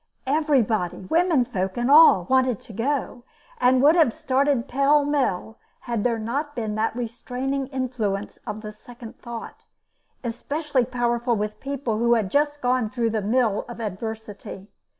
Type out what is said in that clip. Everybody, women folk and all, wanted to go, and would have started pell mell had there not been that restraining influence of the second thought, especially powerful with people who had just gone through the mill of adversity.